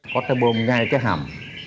có cái bom ngay cái hầm